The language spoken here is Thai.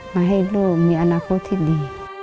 มาให้ลูกมีอนาคตที่ดี